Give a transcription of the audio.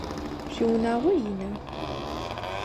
Шъуиунагъо ина?